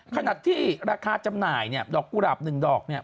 ขนาดที่ราคาจำหน่ายดอกกุหลาบหนึ่งดอก